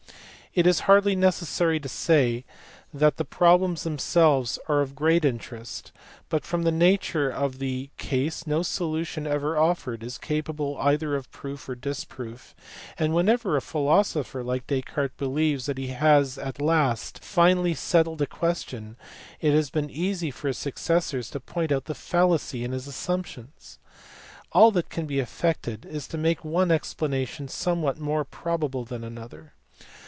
It is hardly necessary to say that the problems themselves are of great interest, but from the nature of the case no solution ever offered is capable either of proof or of disproof, and whenever a philosopher like Descartes believes that he has at last finally settled a question it has been easy for his successors to point out the fallacy in his assumptions. All that can be effected is to make one explanation somewhat more probable than another.